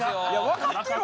分かってる？